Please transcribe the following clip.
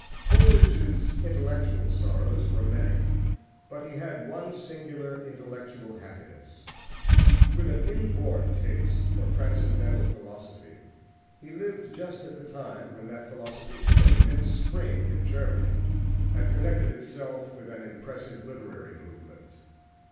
Coleridge's intellectual sorrows were many; but he had one singular intellectual happiness. With an inborn taste for transcendental philosophy, he lived just at the time when that philosophy took an immense spring in Germany, and connected itself with an impressive literary movement.